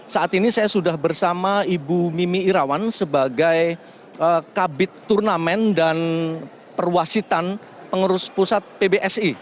saat ini saya sudah bersama ibu mimi irawan sebagai kabit turnamen dan perwasitan pengurus pusat pbsi